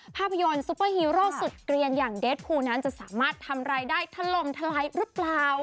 ภาพยนตร์ซุปเปอร์ฮีโร่สุดเกลียนอย่างเดสพูนั้นจะสามารถทำรายได้ถล่มทลายหรือเปล่า